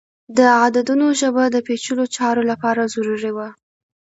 د عددونو ژبه د پیچلو چارو لپاره ضروری وه.